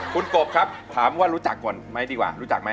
คุณกบครับถามว่ารู้จักก่อนไหมดีกว่ารู้จักไหม